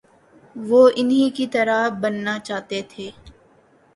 وہ انہی کی طرح بننا چاہتے تھے۔